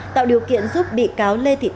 tạo điều kiện giúp bị cáo lê thịnh